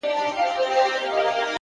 اراده د داخلي ضعف پر وړاندې ولاړه وي!